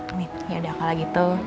amit yaudah kalau gitu